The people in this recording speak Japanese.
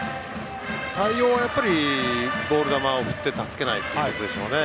対応はやっぱりボール球を振って助けないというところでしょうね。